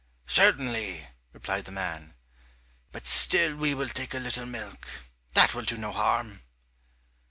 "Certainly," replied the man, "but still we will take a little milk; that will do no harm."